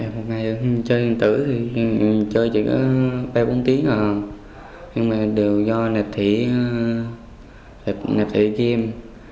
một ngày chơi điện tử thì chơi chỉ có ba bốn tiếng rồi nhưng mà đều do nệp thủy nệp thủy game